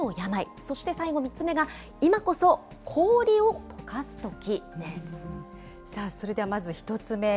そして最後３つ目が、今こそ氷をとかすとき！